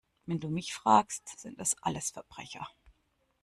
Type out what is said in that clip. Wenn du mich fragst, sind das alles Verbrecher!